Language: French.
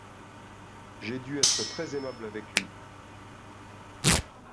J’ai dû être très aimable avec lui.